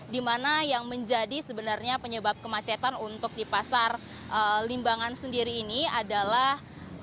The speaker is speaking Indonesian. di mana yang menjadi sebenarnya penyebab kemacetan untuk di pasar limbangan sendiri ini adalah